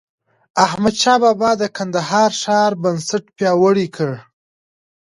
احمدشاه بابا د کندهار ښار بنسټ پیاوړی کړ.